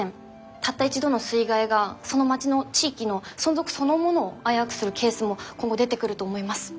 たった一度の水害がその町の地域の存続そのものを危うくするケースも今後出てくると思います。